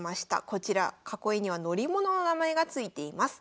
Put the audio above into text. こちら囲いには乗り物の名前が付いています。